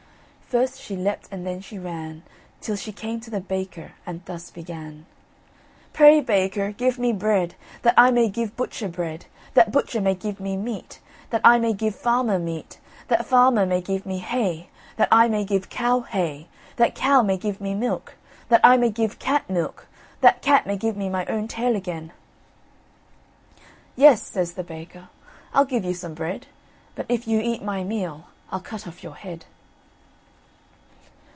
First she leapt and then she ran, Till she came to the baker, and thus began: "Pray, Baker, give me bread, that I may give butcher bread, that butcher may give me meat, that I may give farmer meat, that farmer may give me hay, that I may give cow hay, that cow may give me milk, that I may give cat milk, that cat may give me my own tail again." "Yes," says the baker, "I'll give you some bread, But if you eat my meal, I'll cut off your head."